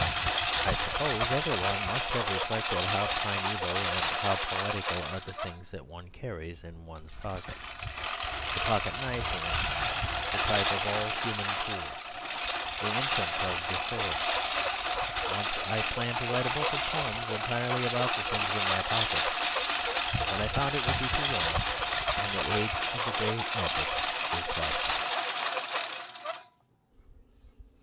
I suppose every one must have reflected how primeval and how poetical are the things that one carries in one's pocket; the pocket knife, for instance, the type of all human tools, the infant of the sword. Once I planned to write a book of poems entirely about the things in my pockets. But I found it would be too long; and the age of the great epics is past.